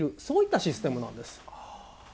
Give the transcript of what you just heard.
そういったシステムなんです。